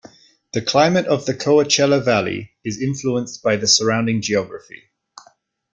The climate of the Coachella Valley is influenced by the surrounding geography.